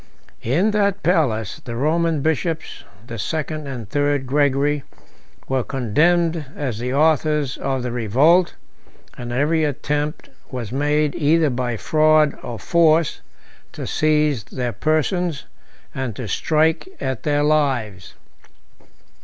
In that palace, the Roman bishops, the second and third Gregory, were condemned as the authors of the revolt, and every attempt was made, either by fraud or force, to seize their persons, and to strike at their lives.